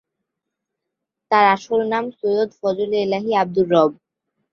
তার আসল নাম সৈয়দ ফজলে এলাহী আব্দুর রব।